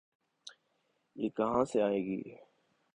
یہ کہاں سے آئے گی؟